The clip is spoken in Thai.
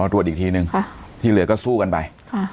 ตรวจอีกทีนึงที่เหลือก็สู้กันไป